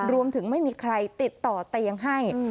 รวมถึงไม่มีใครติดต่อเตียงให้